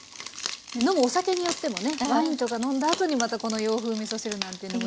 飲むお酒によってもねワインとか飲んだあとにまたこの洋風みそ汁なんてのもいいかもしれないですね。